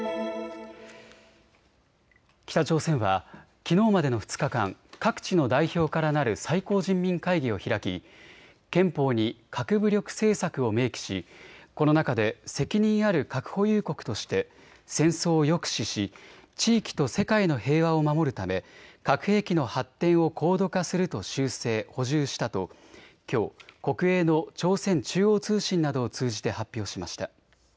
北朝鮮はきのうまでの２日間、各地の代表からなる最高人民会議を開き憲法に核武力政策を明記しこの中で責任ある核保有国として戦争を抑止し地域と世界の平和を守るため核兵器の発展を高度化すると修正・補充したときょう国営の朝鮮中央通信などを通じて発表しました。